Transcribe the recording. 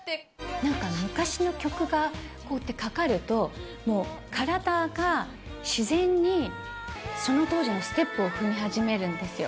なんか昔の曲がこうやってかかると、もう体が自然に、その当時のステップを踏み始めるんですよ。